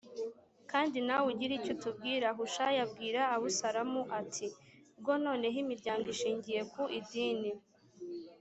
kandi nawe ugire icyo utubwira Hushayi abwira Abusalomu ati ubu bwo noneho imiryango ishingiye ku Idini